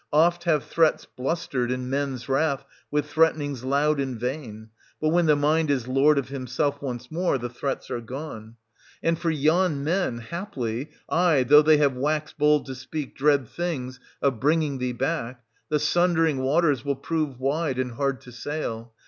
Oft have threats blustered, in men's wrath, with threatenings loud and vain ; but when the mind is lord of himself once more, the threats are gone. And for yon men, 660 haply, — aye, though they have waxed bold to speak dread things of bringing thee back, — the sundering waters will prove wide, and hard to sail.